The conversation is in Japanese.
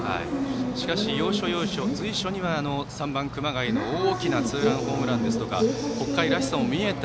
しかし随所には３番、熊谷大きなツーランホームランですとか北海らしさも見えた